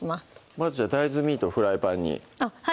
まずじゃあ大豆ミートをフライパンにはい